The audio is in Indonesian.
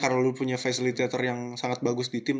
karena lo punya facilitator yang sangat bagus di tim